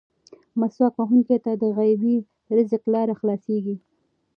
مسواک وهونکي ته د غیبي رزق لارې خلاصېږي.